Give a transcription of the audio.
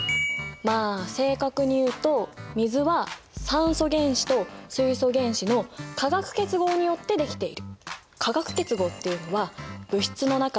まあ正確に言うと水は酸素原子と水素原子の化学結合によってできている。